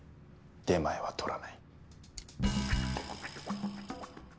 出前は取らない。